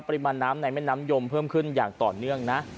ปริมาณน้ำในแม่น้ำยมเพิ่มขึ้นอย่างต่อเนื่องนะ